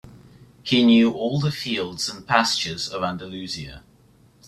He knew all the fields and pastures of Andalusia.